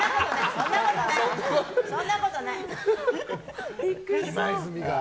そんなことない！